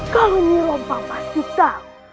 kau ini rompang mas kita